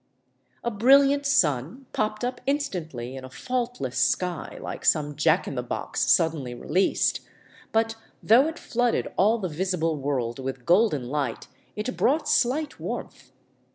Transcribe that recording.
A brilliant sun popped up instantly in a faultless sky, like some jack in the box suddenly released; but though it flooded all the visible world with golden light, it brought slight warmth.